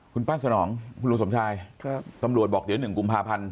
คุณป้าสนองคุณลุงสมชายตำรวจบอกเดี๋ยว๑กุมภาพันธ์